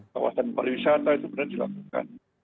kawasan pariwisata itu benar dilakukan